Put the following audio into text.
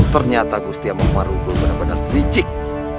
ternyata gusti yang memperunggul benar benar sericik